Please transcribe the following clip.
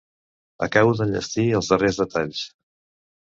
Acabo d'enllestir els darrers detalls.